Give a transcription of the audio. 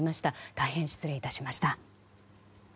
大変失礼いたしました。